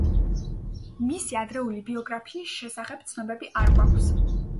მისი ადრეული ბიოგრაფიის შესახებ ცნობები არ გვაქვს.